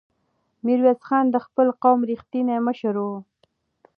میرویس خان د خپل قوم رښتینی مشر و.